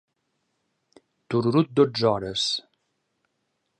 Tururut, dotze hores!